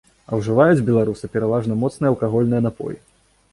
А ўжываюць беларусы пераважна моцныя алкагольныя напоі.